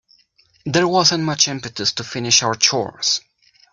There wasn't much impetus to finish our chores.